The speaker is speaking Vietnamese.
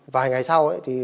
vài ngày sau